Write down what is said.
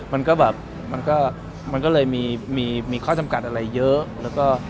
มันก็แบบมันก็เลยมีข้อจำกัดอะไรเยอะ